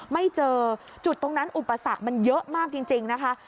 ไม่เจอจุดตรงนั้นอุปสรรคมันเยอะมากจริงนะคะ